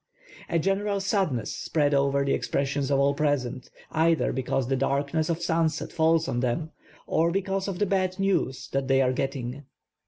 A general sadness spread over the expression of all present, either because the darkness of sunset falls on them or because of the bad news thai they are getting.